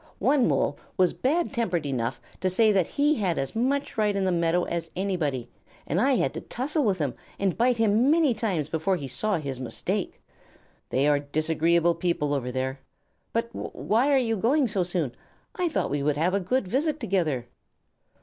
One Mole was bad tempered enough to say that he had as much right in the meadow as anybody, and I had to tussle with him and bite him many times before he saw his mistake.... They are disagreeable people over there, but why are you going so soon? I thought we would have a good visit together."